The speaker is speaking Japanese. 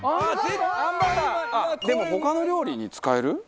でも他の料理に使える？